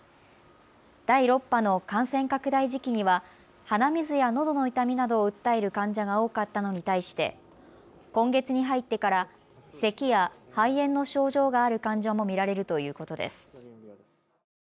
第６波の感染拡大時期には鼻水やのどの痛みなどを訴える患者が多かったのに対して今月に入ってからせきや肺炎の症状がある患者も見られるということです。